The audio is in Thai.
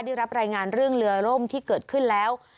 ได้รับรายงานเรื่องเรือร่มที่เกิดขึ้นแล้ว